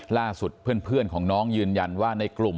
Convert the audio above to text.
เพื่อนของน้องยืนยันว่าในกลุ่ม